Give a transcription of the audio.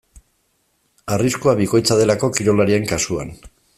Arriskua bikoitza delako kirolarien kasuan.